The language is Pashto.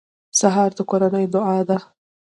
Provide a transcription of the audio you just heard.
سهار د کورنۍ دعا ده.